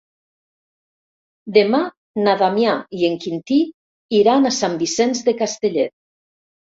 Demà na Damià i en Quintí iran a Sant Vicenç de Castellet.